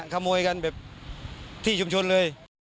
ขโมยกันแบบที่ชุมชนเลย